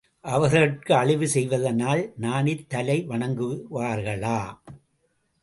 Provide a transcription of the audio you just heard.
அவர்கட்கு அழிவு செய்வதனால் நாணித் தலை வணங்குவார்களா?